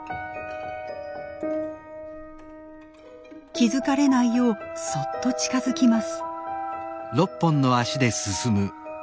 気付かれないようそっと近づきます。